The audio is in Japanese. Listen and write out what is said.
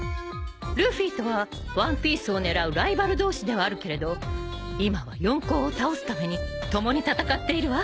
ルフィとはワンピースを狙うライバル同士ではあるけれど今は四皇を倒すために共に戦っているわ。